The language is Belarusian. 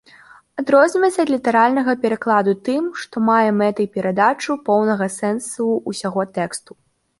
Адрозніваецца ад літаральнага перакладу тым, што мае мэтай перадачу поўнага сэнсу ўсяго тэксту.